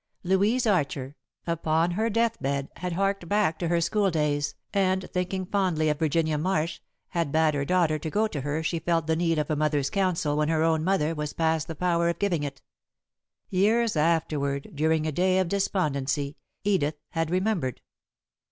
Louise Archer, upon her death bed, had harked back to her school days, and, thinking fondly of Virginia Marsh, had bade her daughter go to her if she felt the need of a mother's counsel when her own mother was past the power of giving it. Years afterward, during a day of despondency, Edith had remembered.